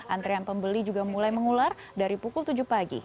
antrean pembeli juga mulai mengular dari pukul tujuh pagi